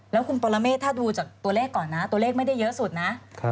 แล้วคุณปรเมฆถ้าดูจากตัวเลขก่อนนะตัวเลขไม่ได้เยอะสุดนะ